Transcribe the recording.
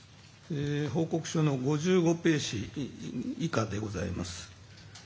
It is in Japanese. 報告書の５５ページいかんでございます。